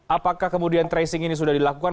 apakah kemudian tracing ini sudah dilakukan